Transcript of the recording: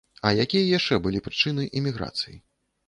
А якія яшчэ былі прычыны эміграцыі?